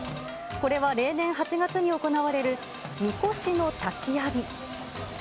これは例年８月に行われる、みこしの滝浴び。